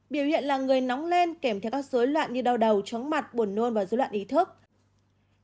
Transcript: biểu hiện là người nóng lên kèm theo các dối loạn như đau đầu chóng mặt buồn nôn và dối loạn ý thức